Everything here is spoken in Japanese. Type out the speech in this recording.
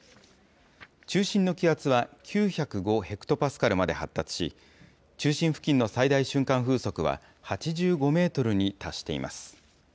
中心の気圧は９０５ヘクトパスカルまで発達し、中心付近の最大瞬間風速は８５メートルに達しています。